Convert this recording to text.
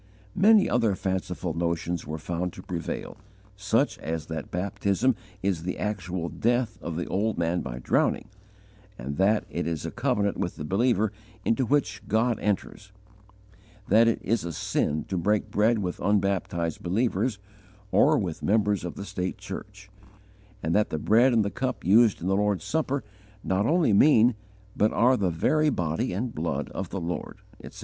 Many other fanciful notions were found to prevail, such as that baptism is the actual death of the old man by drowning, and that it is a covenant with the believer into which God enters; that it is a sin to break bread with unbaptized believers or with members of the state church; and that the bread and the cup used in the Lord's Supper not only mean but are the very body and blood of the Lord, etc.